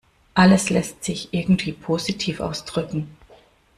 Alles lässt sich irgendwie positiv ausdrücken.